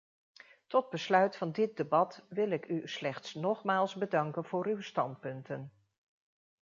Tot besluit van dit debat wil ik u slechts nogmaals bedanken voor uw standpunten.